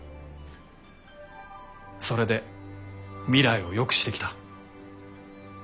それで未来をよくしてきた。